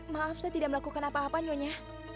maaf saya tidak melakukan apa apa nyonya